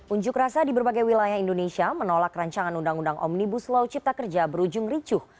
unjuk rasa di berbagai wilayah indonesia menolak rancangan undang undang omnibus law cipta kerja berujung ricuh